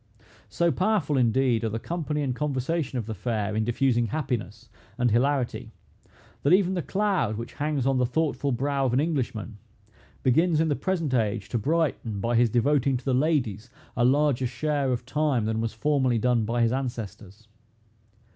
So powerful, indeed, are the company and conversation of the fair, in diffusing happiness and hilarity, that even the cloud which hangs on the thoughtful brow of an Englishman, begins in the present age to brighten, by his devoting to the ladies a larger share of time than was formerly done by his ancestors.